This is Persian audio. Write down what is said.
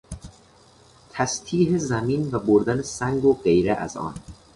تسطیح زمین و بردن سنگ و غیره از آن